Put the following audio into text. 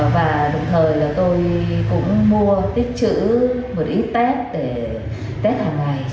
và đồng thời là tôi cũng mua tích chữ một ít test để test hàng ngày cho cả nhà